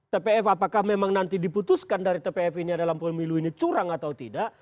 tpf apakah memang nanti diputuskan dari tpf ini dalam pemilu ini curang atau tidak